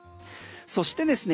そしてですね